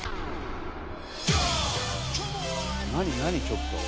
ちょっと。